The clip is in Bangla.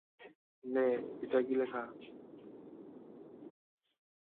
নে, এটা গিলে খা!